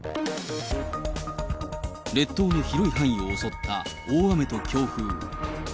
列島の広い範囲を襲った大雨と強風。